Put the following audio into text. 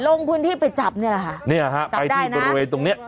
ลงพื้นที่ไปจับเนี่ยล่ะฮะเนี่ยฮะจับได้นะไปที่บริเวณตรงเนี้ย